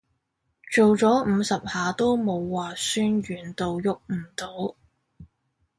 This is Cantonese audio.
做咗五十下都冇話痠軟到郁唔到